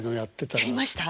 やりました？